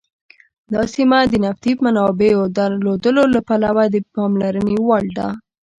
دا سیمه د نفتي منابعو درلودلو له پلوه د پاملرنې وړ ده.